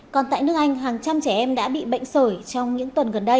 còn tại nước anh hàng trăm trẻ em đã bị bệnh sởi trong những tuần gần đây